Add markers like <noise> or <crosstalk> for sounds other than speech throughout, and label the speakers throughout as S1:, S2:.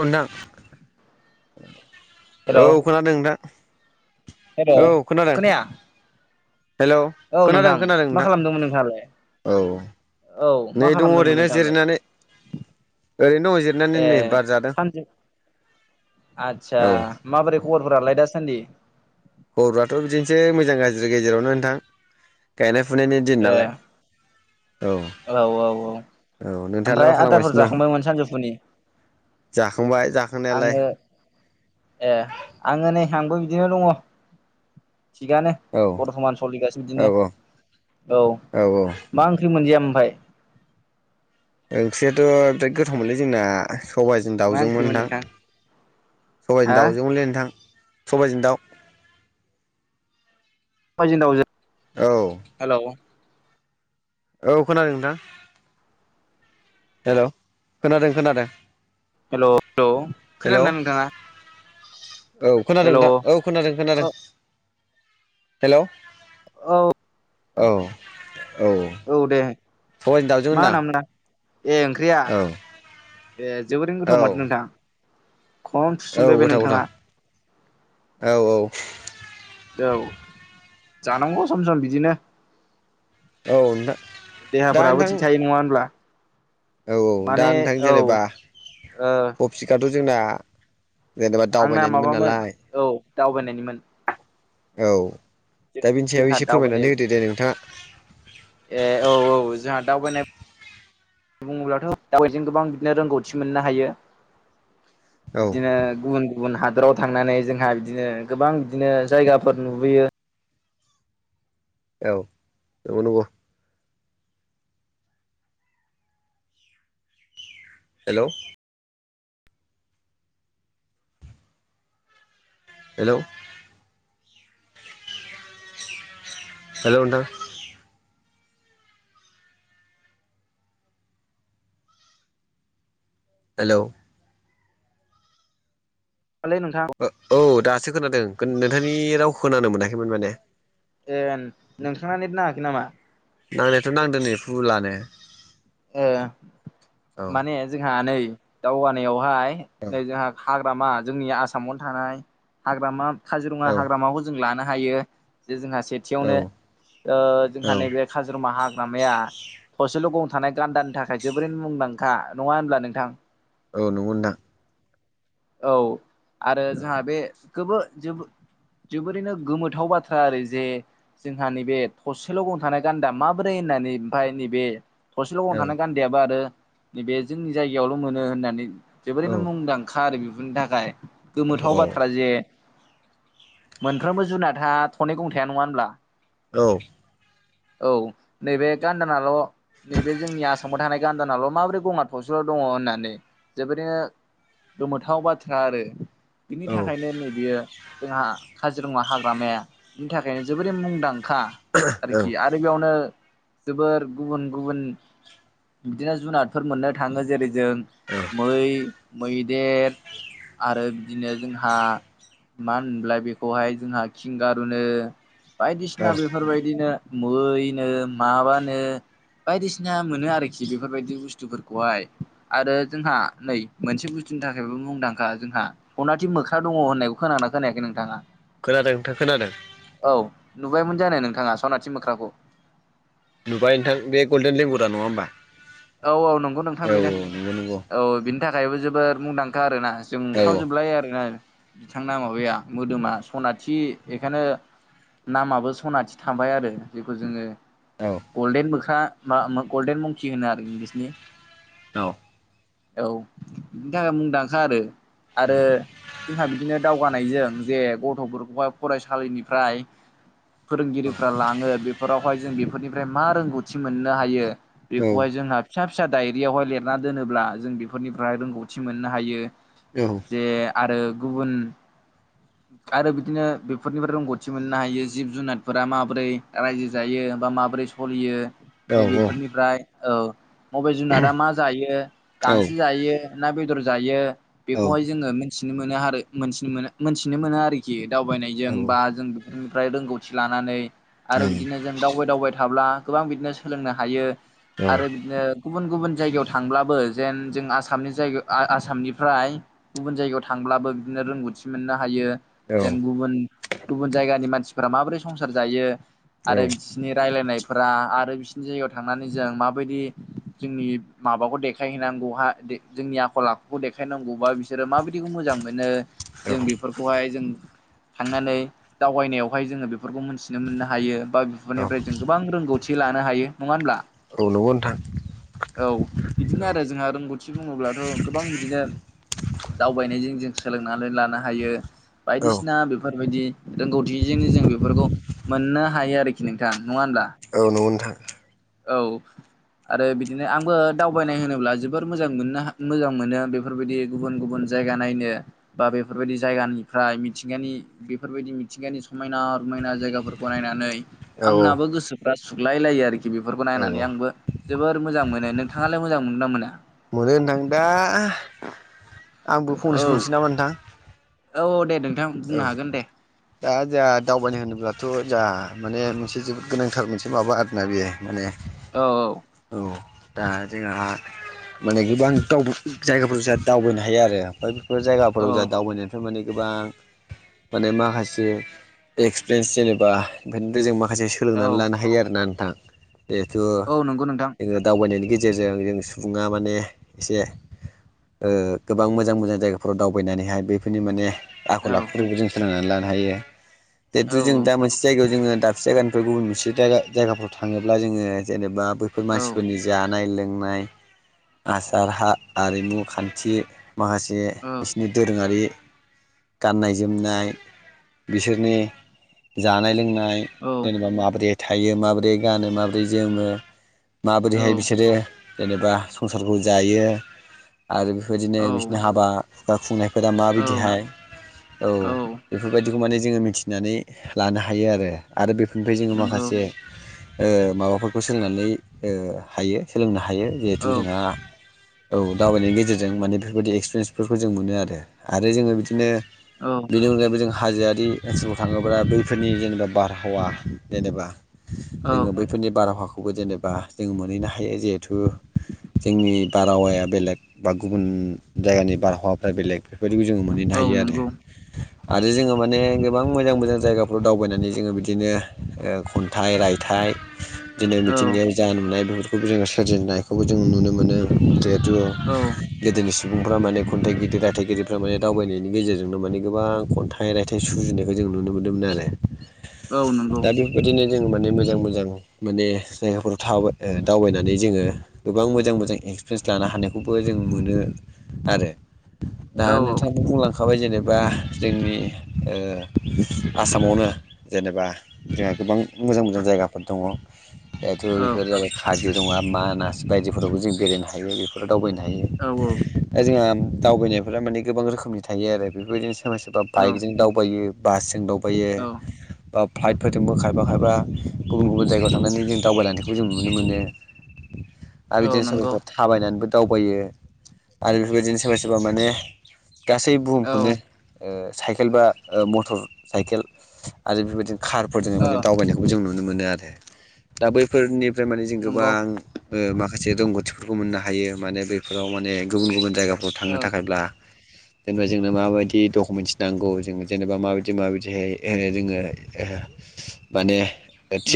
S1: औ नोथां औ
S2: हेलौ
S1: खोनादों नोंथां।
S2: हेलौ
S1: औ खोनादों
S2: खोनाया
S1: हेल'।
S2: औ
S1: खोनादों
S2: नोंथां
S1: खोनादों
S2: मा खालामदोंमोन नोंथाङालाय
S1: नोंथां औ।
S2: औ
S1: नै
S2: मा
S1: दङ
S2: खालामदोंमोन
S1: ओरैनो
S2: नोंथाङालाय
S1: जिरायनानै ओरैनो दङ जिरायनानै नै बार जादों।
S2: आतसा
S1: औ
S2: माबोरै खबरफोरालाय दासान्दि?
S1: खबरआथ' बिदिनोसै मोजां गाज्रि गेजेरावनो नोंथां गायनाय फुनायनि दिन
S2: ए
S1: नालाय। औ
S2: औ
S1: औ नोंथाङालाय
S2: ओमफ्राय
S1: मा
S2: आदारफोर
S1: खालामगासिनो दं?
S2: जाखांबायमोन सानजौफुनि
S1: जाखांबाय जाखांनायालाय।
S2: आङो ए आङो नै आंबो बिदिनो दङ थिगानो।
S1: औ
S2: बरथमान सलिगासिनो
S1: औ
S2: बिदिनो औ मा ओंख्रि मोनजाया ओमफ्राय?
S1: ओंख्रियाथ' बिराद गोथावमोनलै जोंना सबाइ जों
S2: मा
S1: दाउजोंमोन
S2: ओंख्रिमोन
S1: थां,
S2: नोंथां हा
S1: सबाइजों दाउजोंमोनलै नोंथां सबाइजों दाउ।
S2: सबाइजों दाउजों।
S1: औ
S2: हेल'।
S1: औ खोनादों नोंथां। हेल' खोनादों खोनादों।
S2: हेल' हेल'
S1: हेलौ
S2: खोनादोंना नोंथाङा?
S1: औ खोनादों
S2: हेलौ
S1: नोंथां औ खोनादों खोनादों।
S2: औ
S1: हेल'!
S2: औ।
S1: औ औ
S2: औ दे
S1: सबाइजों दाउजों
S2: मा
S1: होनदां।
S2: होनामोन नोंथां ए ओंख्रिया
S1: औ
S2: ए जोबोरैनो
S1: औ
S2: गोथाव माथो नोंथां। खम
S1: औ
S2: थुसोमबाय बे
S1: गोथाव
S2: नोंथाङा
S1: गोथाव औ औ।
S2: औ जानांगौ सम सम बिदिनो।
S1: औ नोंथां दा
S2: देहाफोराबो
S1: नोंथां
S2: थिग थायो नङा होनब्ला।
S1: औ औ दा
S2: माने
S1: नोंथां
S2: औ
S1: जेनेबा
S2: ओ
S1: तपिकाथ' जोंना जेनेबा
S2: आंना
S1: दावबायनायनिमोन
S2: माबामोन
S1: नालाय
S2: औ दावबायनायनिमोन
S1: औ दा बिनि सायाव
S2: जोंहा
S1: एसे
S2: दावबायनाय
S1: फोरमायनानै होदो दे नोंथाङा।
S2: ए औ औ। जोंहा दावबायनाय बुङोब्लाथ' दावबायजों गोबां बिदिनो रोंगौथि मोननो हायो।
S1: औ
S2: बिदिनो गुबुन गुबुन हादराव थांनानै जोंहा बिदिनो गोबां बिदिनो जायगाफोर नुबोयो।
S1: औ नंगौ नंगौ। हेल'! हेल'! हेलौ नोंथां। हेलौ।
S2: औलै नोंथां।
S1: औ दासो खोनादों। नोंथांनि राव खोनानो मोनाखैमोन माने
S2: ए नोंथाङा नेट नाङाखै नामा?
S1: नांनायाथ' नांदों नै फुलानो। औ
S2: माने जोंहा नै दावगानायावहाय
S1: औ
S2: नै जोंहा हाग्रामा जोंनि आसामावनो थानाय हाग्रामा काजिरङा
S1: औ
S2: हाग्रामाखौ जों जों लानो हायो। जे जोंहा
S1: औ
S2: सेथियावनो
S1: औ
S2: जोंहा नैबे काजिरङा हाग्रामाया थसेल' गं थानाय गान्दानि थाखाय जोबोरैनो मुंदांखा नङा होनब्ला नोंथां।
S1: औ नंगौ नोंथां।
S2: औ आरो
S1: औ
S2: जोंहा बे जोबो-जोबोर जोबोरैनो गोमोथाव बाथ्रा आरो जे जोंहा नैबे थसेल' गं थानाय गान्दा माबोरै होननानै ओमफ्राय नैबे थरसेल' गं थानाय गान्दायाबो आरो नैबे जोंनि जायगायावल' मोनो होननानै जोबोरैनो मुंदां खा आरो बेफोरनि थाखाय गोमोथाव बाथ्रा जे मोनफ्रोमबो जुनादा थनै गं थायो नङा होनब्ला
S1: औ
S2: औ नैबे गान्दानाल' नैबे जोंनि आसामाव थानाय गान्दानाल' माबोरै गङा थासेल' दङ होननानै जोबोरैनो गोमोथाव बाथ्रा आरो बिनि
S1: औ
S2: थाखायनो नै बेयो जोंहा काजिरङा हाग्रामाया बिनि थाखायनो जोबोरै मुंदांखा आरोखि आरो बेयावनो जोबोर गुबुन गुबुन बिदिनो जुनादफोर मोननो थाङो जेरै जों मै मैदेर आरो बिदिनो जोंहा मानो होनब्ला बेखौहाय जोंहा खिंगारुनो बायदिसिना बेफोरबायदिनो मैनो माबानो बायदिसिना मोनो आरोखि बेफोरबायदि बुस्थुफोरखौहाय आरो जोंहा नै मोनसे बुस्थुनि थाखायबो मुंदांखा जोंहा अनाथि मोख्रा दङ होननायखौ खोना ना खोनायाखै नोंथाङा
S1: खोनादों नोंथां खोनादों
S2: औ नुबायमोन जानाय नोंथाङा सनाथि मोख्राखौ
S1: नुबाय नोंथां बे गल्डेन लेंगुर दा नङा होमबा
S2: औ औ नंगौ नोंथां
S1: औ
S2: बेनो
S1: औ नंगौ
S2: औ बिनि थाखायबो जोबोद मुंदांखा आरोना जों
S1: नंगौ औ
S2: खावजोबनाय आरोना बिथांना माबाया मोदोमा सनाथि बेखायनो नामाबो सनाथि थाबाय आरो जेखौ जोंङो
S1: औ
S2: गल्डेन मोख्रा मा गल्डेन मंखि होनो आरो इंलिसनि
S1: औ
S2: औ बिनि थाखाय मुंदांखा आरो आरो जोंहा बिदिनो दावगानायजों जे गथ'फोरखौहाय फरायसालिनिफ्राय फोरोंगिरिफ्रा लांङो बेफोरावहाय जों बेफोरनिफ्राय मा रोंगौथि मोननो हायो बेखौहाय
S1: औ
S2: जोंहा फिसा फिसा दायरियावहाय लिरना दोनोब्ला जों बेफोरनिफ्रायाय रोंगौथि मोननो हायो
S1: औ
S2: ए आरो गुबुन आरो बिदिनो बेफोरनिफ्राय रोंगौथि मोननो हायो जिब जुनारफोरा माबोरै रायजो जायो बा माबोरै फलियो
S1: औ
S2: नै
S1: औ
S2: बेेफोरनिफ्राय औ मबे जुनादा मा जायो गांसो जायो ना बेदर जायो
S1: नंगौ
S2: बेखौहाय जोङो मोनथिनो मोनो आरोथि मोनथिनो मोनो आरोखि खि दावबायनायजों बा जों बेफोरनिफ्राय रोंगौथि लानानै आरो बिदिनो जों दावबाय दावबाय थाब्ला गोबां बिदिनो सोलोंनो हायो आरो बिदिनो गुबुन गुबुन जायगायाव थांब्लाबो जेन जों आसामनि जायगायाव आसामनिफ्राय गुबुन जायगायाव थांब्लाबो बिदिनो रोंगौथि मोननो हायो जेन गुबुन गुबुन जायगानि मानसिफोरा माबोरै संसार जायो आरो बिदि बिसोरनि रायलायनायफोरा आरो बिसोरनि जायगायाव थांनानै जों माबायदि जोंनि माबाखौ देखायहैनांगौ हा जोंनि आखल आखुखौ देखायनांगौबा बि बिसोरो माबायदिखौ मोजां मोनो जों बेफोरखौ खौहाय जों थांनानै दावबायनायावहाय जोंङो बेफोरखौ मोनथिनो मोननो हायो बा बेफोरनिफ्राय जों गोबां रोंगौथि लानो हायो नंङा होनब्ला
S1: औ नोंगौ नोंथां
S2: औ
S1: औ
S2: बिदिनो आरो जोंहा रोंगौथि बुंङोब्लाथ' गोबां बिदिनो दावबायनायजों जों सोलोंनानै लानो हायो
S1: औ
S2: बायदिसिना बेफोरबायदि रोंगौथिजोंनो जों बेफोरखौ मोननो हायो आरोखि नोंथां नङा होमब्ला
S1: औ नंगौ नोंथां
S2: औ आरो बिदिनो आंबो दावबायनाय होनोब्ला जोबोर मोजां मोननो मोजां मोनो बेफोरबायदि गुबुन गुबुन जायगा नायनो बा बेफोरबायदि जायगानिफ्राय मिथिंगानि बेफोरबायदि मिथिंगानि समायना रमायना जायगाफोरखौ नायनानै
S1: औ
S2: आंनाबो गोसोफ्रा सुग्लाय लायो आरोखि बेफोरखौ
S1: औ
S2: नायनानै आंबो जोबोर मोजां मोनो नोंथांङालाय मोजां मोनगोन ना मोना
S1: मोनो नोंथां दा आंबो
S2: औ
S1: फंनैसो बुंनोसै नामा नोंथां
S2: औ दे नोंथां
S1: औ
S2: बुंनो हागोन दे
S1: दा जोंहा दावबायनो होनोब्लाथ' जाहा माने मोनसे जोबोद गोनांथार मोनसे माबा आरोना बेयो माने औ दा जोंहा माने गोबां द जायगाफोर जों दावबायनो हायो आरो ओमफ्राय बेफोर जायगाफोराव जाोंहा दावबायनायनिफ्राय माने गोबां माने माखासे एक्सपिरियेन्स जेनेबा बेनिफ्राय जों मा खासे
S2: औ
S1: सोलोंनानै लानो हायो आरोना नोंथां जिहेथु
S2: औ नंगौ नोंथां
S1: जोंङो दावबायनायनि गेजेरजों जों सुबुंङा माने एसे ओ गोबां मोजां मोजां जायगाफोराव दावबायनानैहाय बेफोरनि माने
S2: औ
S1: जों सोलोंनानै लानो हायो
S2: औ
S1: जितु जों दा मोनसे जायगायाव जो मोनसे जायगानिफ्राय गुबुन मोनसे जायगाफ्राव थानङोब्ला जोंङो जेनेबा बैफोर
S2: औ
S1: मानसिफोरनि जानाय लोंनाय आसार आरिमु खान्थि माखासे
S2: औ
S1: बिसनि दोरोंङारि गाननाय जोमनाय बिसोरनि जानाय लोंनाय जेनेबा माब्रै थायो माबोरै गानो माबोरै जोमो
S2: औ
S1: माबोरैहाय बिसोरो जेनेबा संसारखौ जायो आरो बेबायदिनो
S2: औ
S1: बिसनि हाबा हुखा खुंनायफोरा
S2: औ
S1: माबायदिहाय औ बेफोरबायदिखौ माने जोङो मिथिनानै लानो हायो आरो आरो बेफोरनिफ्राय जोङो
S2: नंगौ
S1: माखासे माबाफोरखौ सोलोंनानै हायो सोलोंनो हायो जिहेथु
S2: औ
S1: जोंहा औ दावबायनायनि गेजेरजों माने बेफोरबायदि एक्सपिरियेन्सफोरखौ जों मोनो आरो आरो जोङो बिदिनो
S2: औ
S1: बेनि अनगायैबो जों हाजोआरि ओनसोलाव थाङोब्ला बैफोरनि जेनेबा बारहावा जेनेबा
S2: औ
S1: जोङो बैफोरनि बारहावाखौबो जेनेबा जों मोनहैनो हायो जिहेथु जोंनि बारहावाया बेलेग बा गुबुन जायगानि बारहावाफ्रा बेलेग बेफोरबायदिखौ जोङो मोनो नो
S2: औ
S1: हायो आरो
S2: <inaudible>
S1: आरो जोङो माने गोबां मोजां मोजां जायगाफ्राव दावबायनानै जोङो बिदिनो खन्थाइ रायथाइ
S2: <unintelligible>
S1: बिदिनो मिथिंगायारि जालुनाय बेफोरखौबो जोङो सोरजिनायखौबो जों नुनो मोनो जेर
S2: औ
S1: गोदोनि सुबुंफ्रा माने खन्थाइगिरि गायथाइगिरिफ्रा माने दावबायनायनि गेजेरजोंनो माने गोबां खन्थाइ रायथाइ सुजुनायखौ जों नुनो मोनदोंमोन आरो
S2: औ नंगौ
S1: बेदिनो जोङो माने मोजां मोजां माने जायगाफोराव थाबाय दावबायनानै जोङो गोबां मोजां मोजां एक्सपिरियेन्स लानो हानायखौबो जों मोनो आरो दा
S2: औ
S1: नोंथां बुंलांखाबाय जेने बा जोंनि आसामावनो जेनेबा जोंहा गोबां मोजां मोजां जायगाफोर दङ जेहेतु
S2: औ
S1: जाबाय खाजु दङा मानास बायदिफोरावबो जों बेरायनो हायो बेफोराव दावबायनो हायो
S2: औ
S1: दा जोंहा दावबायनायफोरा माने गोबां रोखोमनि थायो आरो बेफोरदिनो सोरबा सोरबा
S2: औ
S1: बाइकजों दावबायो बासजों दावबायो बा फ्लाइटफोरजोंबो खायफा खायबा गुबुन गुबुन जायगायाव थांनानै जों दावबायलांनायखौ जों नुनो मोनो आरो
S2: औ
S1: बिदिनो सोरबा
S2: नंगौ
S1: सोरबा थाबायनानैबो दावबायो आरो बेफोरबायदिनो सोरबा सोरबा माने गासै बु
S2: औ
S1: खौनो ओ साइकेल बा मटर साइकेल आरो बेबायदिनो कार फोरजों माने
S2: ओ
S1: दावबायनायखौबो जों नुनो मोनो आरो दा बैफोरनिफ्राय माने जों
S2: नंगौ
S1: गोबां माखासे रोंगौथिफोरखौ मोननो हायो माने बैफोराव माने गुबुन गुबुन जायगाफ्राव थांनो
S2: ओ
S1: थाखायब्ला। जेनेबा जोंनो माबायदि डकुमेन्टस नांगौ जों जेनेबा माबायदि माबायदिहाय जोङो माने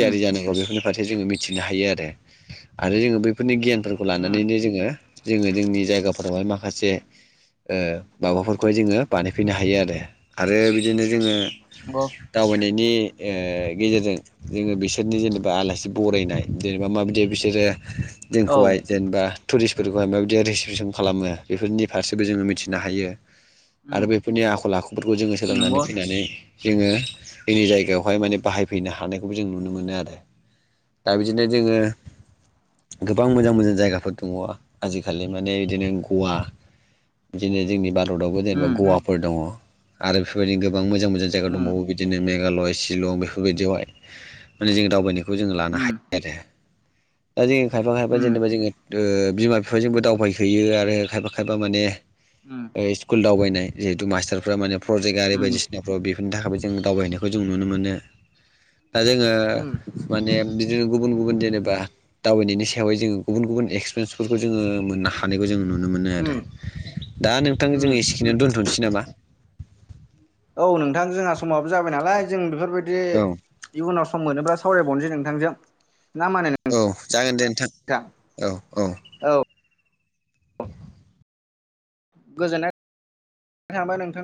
S2: उम
S1: जानांगौ बेफोरनि फारसे जोङो मिथिनो हायो आरो आरो जोङो बैफोरनि गियानफोरखौ
S2: उम
S1: लानानैनो
S2: नंगौ
S1: जोङो जोङो जोंनि जायगाफोरावहाय माखासे ओ माबाफोर बेखौहाय जोङो बानायफैनो हायो आरो आरो बिदिनो जोङो
S2: <unintelligible>
S1: दावबायनायनि ओ गेजेरजों जोङो बिसोरनि जेनेबा आलासि बरायनाय जेनेबा माबायदि बिसोरो
S2: औ
S1: जोंखौहाय जेनेबा टुरिस्टफोरखौहाय माबायदि रिसिपसन खालामो बेफोरनि फारसेबो जोङो मिथिनो हायो।
S2: उम
S1: आरो बेफोरनि आखल आखुफोरखौ जोङो सोलोंनानै
S2: नंगौ
S1: फैनानै जोङो जोंनि जायगायावहाय माने बाहायफैनो हानायखौबो जों नुनो मोनो आरो दा बिदिनो जोङो गोबां मोजां मोजां जायगाफोर दङ आजिखालि माने बिदिनो गवा बिदिनो जोंनि भारतावबो जेनेबा
S2: उम
S1: गवाफोर दङ आरो बेफोरबायदिनो गोबां मोजां मोजां जायगा
S2: उम
S1: दंबावो बि बिदिनो मेघालय शिलं बेफोरबायदियावहाय माने जों दावबायनायखौ जोंङो लानो
S2: उम
S1: हायो। आरो दा जों खायफा खायफा
S2: उम
S1: जेनेबा जोङो दो बिमा बिफाजोंबो दावबायहोयो आरो खायफा खायफा माने
S2: उम
S1: बे स्कुल दावबायनाय जेथु मास्टार प्रजेक आरि
S2: उम
S1: बायदिसिना बेफोरनि थाखाय जों दावबायनायखौ नुनो मोनो दा जों
S2: उम
S1: माने बि जोङो गुबुन जेनबा दावबायनायनि सायाव जों गुबुन गुबुन एसफ्रेनफोरखौ जों मोनो हा खौ जों नुनो मोनो आरो
S2: उम
S1: दा नोंथां
S2: उम
S1: जोङ एसेखिनो दोन्थ'नोसै नामा?
S2: औ नोंथां जोंहा समाबो जाबाय नालाय जों बेफोरबायदि
S1: औ
S2: इयुनाव सम मोनोब्ला सावरायबावनोसै नोंथांजों ना मानिनाय।
S1: औ जागोन दे नोंथां औ औ।
S2: गोजोननाय थांबाय नोंथां।